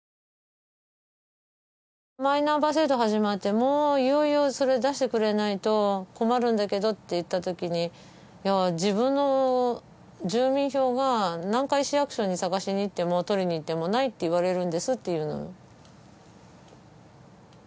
マイナンバー制度始まって「もういよいよそれ出してくれないと」「困るんだけど」って言った時に「自分の住民票が」「何回市役所に探しにいっても取りにいっても」「ないって言われるんです」って言うのよ